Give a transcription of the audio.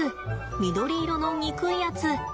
緑色のにくいやつ。